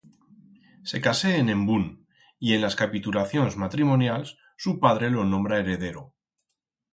Se casé en Embún y en las capitulacions matrimonials, su padre lo nombra heredero.